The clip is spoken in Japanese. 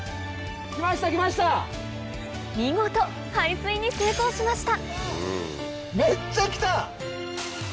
見事排水に成功しました